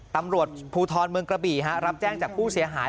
ตำรวจภูทรเมืองกระบี่รับแจ้งจากผู้เสียหาย